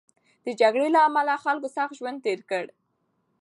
د جګړې له امله خلکو سخت ژوند تېر کړ.